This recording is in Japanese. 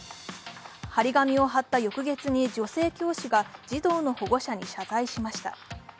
貼り紙を貼った翌月に女性教師が児童の保護者に謝罪しました。